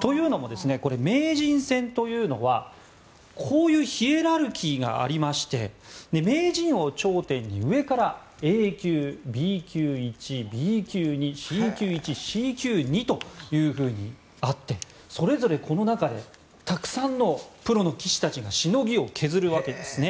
というのも、名人戦というのはこういうヒエラルキーがありまして名人を頂点に上からＡ級、Ｂ級１、Ｂ級２Ｃ級１、Ｃ級２とあってそれぞれこの中でたくさんのプロの棋士がしのぎを削るわけですね。